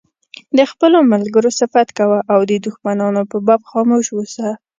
د خپلو ملګرو صفت کوه او د دښمنانو په باب خاموش اوسه.